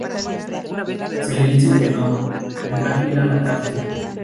Si le dicen que no, tendrá que ir a la cárcel".